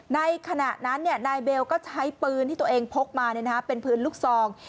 ในขณะนั้นนายเบลก็ใช้ปืนที่ตัวเองพกมาเป็นปืนลูกซอง